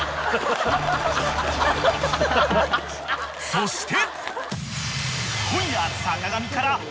［そして］